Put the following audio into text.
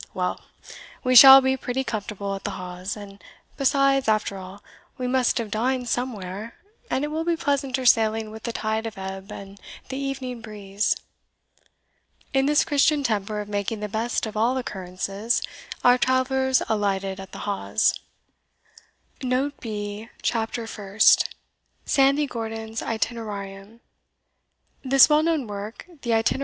Well! we shall be pretty comfortable at the Hawes; and besides, after all, we must have dined somewhere, and it will be pleasanter sailing with the tide of ebb and the evening breeze." In this Christian temper of making the best of all occurrences, our travellers alighted at the Hawes. CHAPTER SECOND. Sir, they do scandal me upon the road here!